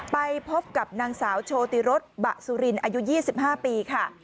ไปพบกับนางสาวโชติรสบะสุรินอายุ๒๕ปีค่ะ